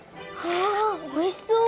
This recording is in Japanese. おおいしそう！